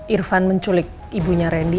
irfan menculik ibunya randy